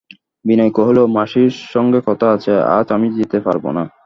বিনয় কহিল, মাসির সঙ্গে কথা আছে, আজ আমি যেতে পারব না।